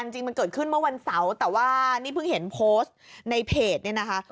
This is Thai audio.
จริงมันเกิดขึ้นเมื่อวันเสาร์แต่ว่านี่เพิ่งเห็นโพสต์ในเพจเนี่ยนะคะ